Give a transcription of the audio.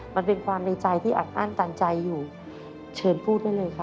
มันเป็นความในใจที่อัดอั้นตันใจอยู่เชิญพูดได้เลยค่ะ